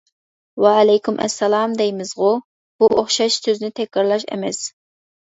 ۋەئەلەيكۇم ئەسسالام-دەيمىزغۇ. بۇ ئوخشاش سۆزنى تەكرارلاش ئەمەس.